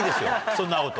そんなこと。